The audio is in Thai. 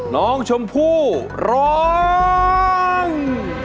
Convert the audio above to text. น้องชมพู่ร้อง